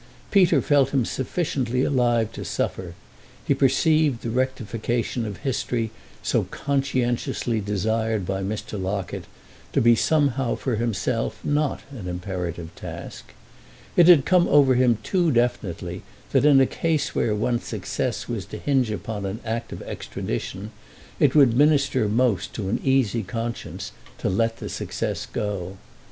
Peter felt him sufficiently alive to suffer; he perceived the rectification of history so conscientiously desired by Mr. Locket to be somehow for himself not an imperative task. It had come over him too definitely that in a case where one's success was to hinge upon an act of extradition it would minister most to an easy conscience to let the success go.